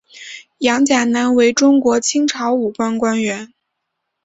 杨钾南为中国清朝武官官员。